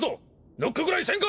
ノックぐらいせんか！